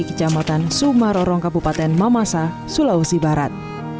kecamatan sumarorong kabupaten mamasa sulawesi barat